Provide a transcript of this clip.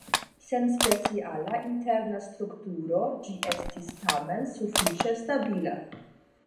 Sen speciala interna strukturo ĝi estis tamen sufiĉe stabila.